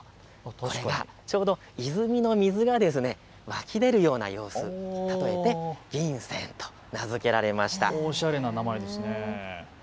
これがちょうど泉の水が湧き出るような様子を例えて銀泉と名付けられました。